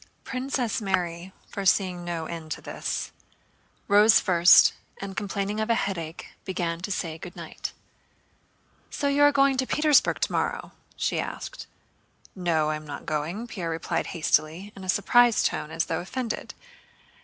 Princess Mary, foreseeing no end to this, rose first, and complaining of a headache began to say good night. "So you are going to Petersburg tomorrow?" she asked. "No, I am not going," Pierre replied hastily, in a surprised tone and as though offended.